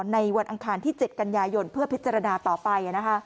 ในวันอังคารที่๗กันยายนเพื่อพิจารณาต่อไป